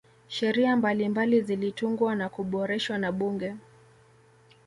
sheria mbalimbali zilitungwa na kuboreshwa na bunge